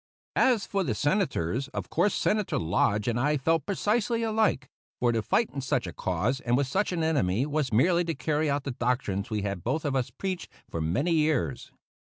As for the Senators, of course Senator Lodge and I felt precisely alike; for to fight in such a cause and with such an enemy was merely to carry out the doctrines we had both of us preached for many years.